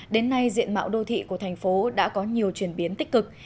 đến nay diện mạo đô thị của thành phố đã có nhiều chuyển biến tích cực